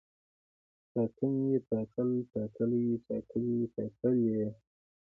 ټاکنې، ټاکل، ټاکلی، ټاکلي، ټاکلې